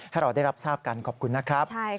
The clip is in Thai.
เราได้รับทราบกันขอบคุณนะครับ